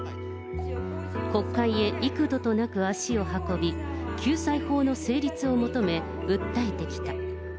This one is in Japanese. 国会へ幾度となく足を運び救済法の成立を求め、訴えてきた。